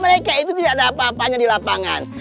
mereka itu tidak ada apa apanya di lapangan